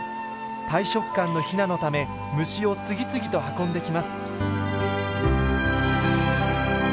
大食漢のヒナのため虫を次々と運んできます。